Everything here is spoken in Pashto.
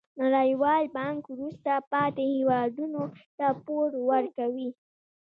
نړیوال بانک وروسته پاتې هیوادونو ته پور ورکوي.